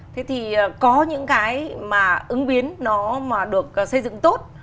thế thì có những cái mà ứng biến nó mà được xây dựng tốt